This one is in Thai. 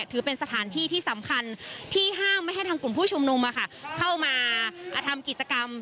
ถือเป็นสถานที่ที่สำคัญที่ห้ามไม่ให้ทางกลุ่มผู้ชุมนุมเข้ามาทำกิจกรรม